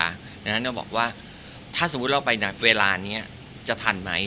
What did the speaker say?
แล้วบอกว่าถ้าสมมติเราไปเวลานี้จะทันไหม